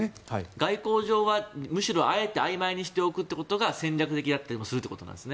外交上はむしろあいまいにしておくことが戦略的だったりもするということなんですね。